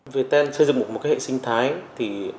về tên xây dựng một hệ sinh thái